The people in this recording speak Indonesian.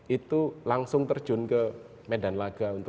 itu langsung terjun ke medan laga untuk